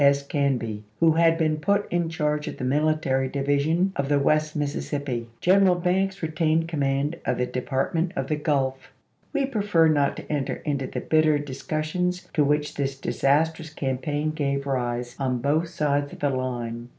S. Canby, who had been put in charge of the Military Divi sion of the West Mississippi. General Banks re tained command of the Department of the Gulf. We prefer not to enter into the bitter discus sions to which this disastrous campaign gave rise on both sides of the line.